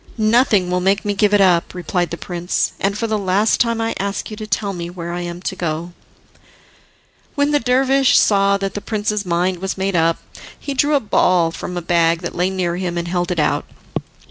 "Nothing will make me give it up," replied the prince, "and for the last time I ask you to tell me where I am to go." When the dervish saw that the prince's mind was made up, he drew a ball from a bag that lay near him, and held it out.